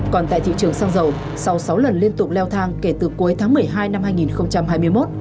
còn tại thị trường xăng dầu sau sáu lần liên tục leo thang kể từ cuối tháng một mươi hai năm hai nghìn hai mươi một